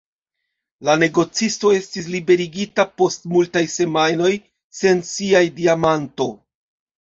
La negocisto estis liberigita post multaj semajnoj, sen sia diamanto.